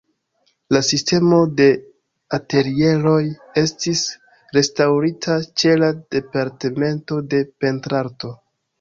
La sistemo de atelieroj estis restaŭrita ĉe la Departemento de Pentrarto.